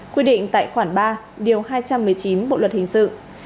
quy định tại khoản ba điều hai trăm một mươi chín bộ luật hình sự